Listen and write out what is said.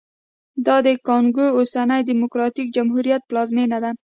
دا د کانګو اوسني ډیموکراټیک جمهوریت پلازمېنه ده